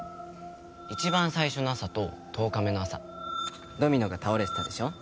一番最初の朝と１０日目の朝ドミノが倒れてたでしょ。